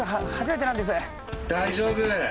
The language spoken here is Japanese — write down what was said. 大丈夫！